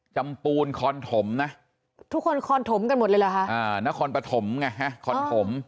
ปูนคอนถมนะทุกคนคอนถมกันหมดเลยเหรอคะอ่านครปฐมไงฮะคอนถม